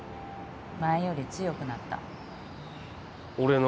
前より強くなった俺の？